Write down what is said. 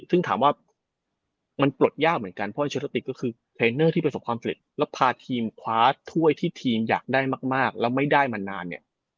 ซึ่งถามว่ามันปลดยากเหมือนกันเพราะว่าเชลาติกก็คือเทรนเนอร์ที่ประสบความสำเร็จแล้วพาทีมคว้าถ้วยที่ทีมอยากได้มากแล้วไม่ได้มานานเนี่ย